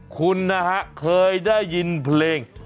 คุณนะฮะเคยได้ยินเพลง